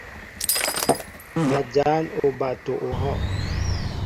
A jan oɓato ohɔʼ.